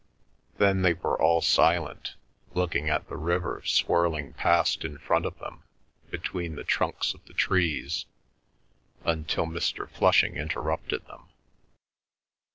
Then they were all silent, looking at the river swirling past in front of them between the trunks of the trees until Mr. Flushing interrupted them.